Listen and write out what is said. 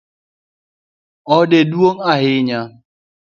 Ode dung ahinya.